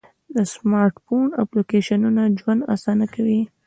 د سمارټ فون اپلیکیشنونه ژوند آسانه کوي.